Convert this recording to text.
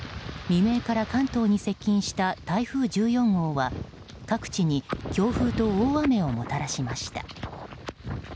未明から関東に接近した台風１４号は各地に強風と大雨をもたらしました。